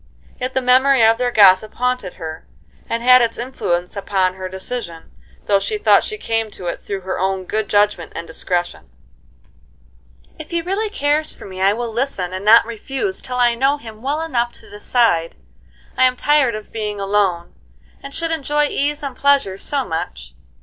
Yet the memory of their gossip haunted her, and had its influence upon her decision, though she thought she came to it through her own good judgment and discretion. "If he really cares for me I will listen, and not refuse till I know him well enough to decide. I'm tired of being alone, and should enjoy ease and pleasure so much.